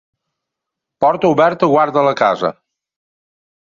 Porta oberta guarda la casa.